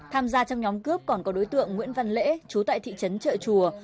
tham gia trong nhóm cướp còn có đối tượng nguyễn văn lễ chú tại thị trấn trợ chùa